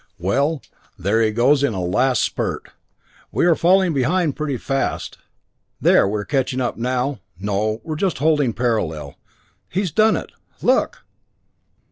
Well, there he goes in a last spurt. We are falling behind pretty fast there we are catching up now no we are just holding parallel! He's done it! Look!"